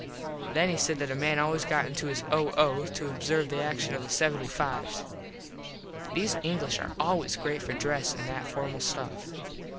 Then he said that a man always got into his O.O. to observe the action of the 75s. These English are always great for dress an that formal stuff.